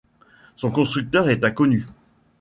Son constructeur est inconnu.